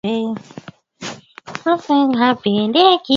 zinaweza zikawa zimejitokeza kasoro mbalimbali